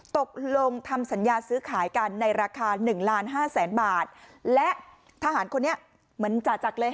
ตกลงทำสัญญาซื้อขายกันในราคาหนึ่งล้านห้าแสนบาทและทหารคนนี้เหมือนจ่าจักรเลย